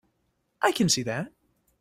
I can see that.